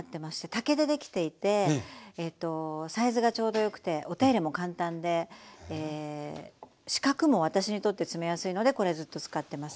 竹でできていてえとサイズがちょうど良くてお手入れも簡単で四角も私にとって詰めやすいのでこれずっと使ってます。